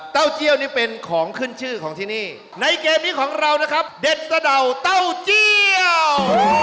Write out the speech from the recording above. เจี้ยวนี่เป็นของขึ้นชื่อของที่นี่ในเกมนี้ของเรานะครับเด็ดสะดาวเต้าเจียว